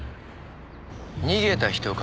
逃げた人影。